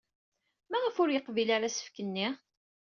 Maɣef ur yeqbil ara asefk-nni?